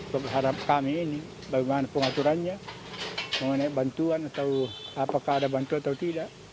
berharap kami ini bagaimana pengaturannya mengenai bantuan atau apakah ada bantuan atau tidak